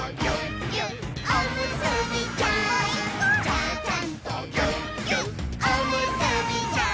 「ちゃちゃんとぎゅっぎゅっおむすびちゃん」